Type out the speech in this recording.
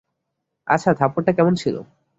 আচ্ছা, থাপ্পড়টা কেমন ছিল?